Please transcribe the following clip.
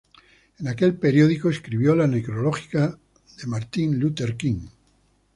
En aquel periódico escribió la necrológica de Martin Luther King.